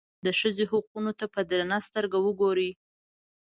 د ښځې حقونو ته په درنه سترګه وګوري.